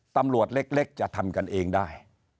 ตำรวจเล็กจะทำกันเองได้